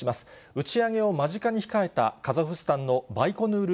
打ち上げを間近に控えたカザフスタンのバイコヌール